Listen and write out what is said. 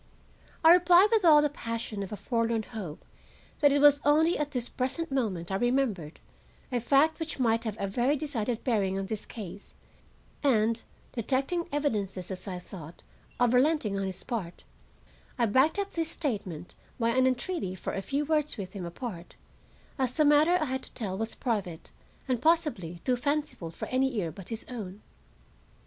I replied with all the passion of a forlorn hope that it was only at this present moment I remembered a fact which might have a very decided bearing on this case; and, detecting evidences, as I thought, of relenting on his part, I backed up this statement by an entreaty for a few words with him apart, as the matter I had to tell was private and possibly too fanciful for any ear but his own.